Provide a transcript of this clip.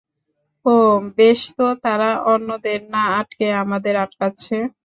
ওহ, বেশ তো, তারা অন্যদের না আটকে, আমাদের আটকাচ্ছে?